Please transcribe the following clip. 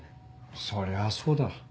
そりゃそうだ。